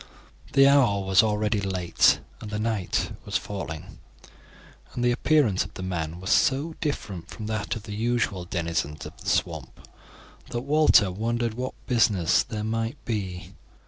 The hour was already late and the night was falling, and the appearance of the man was so different from that of the usual denizens of the swamp that Walter wondered what business there might be.